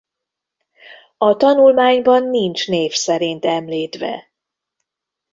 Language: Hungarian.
A tanulmányban nincs név szerint említve.